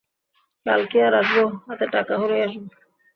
কাল কি আর আসব, হাতে টাকা হলেই আসব।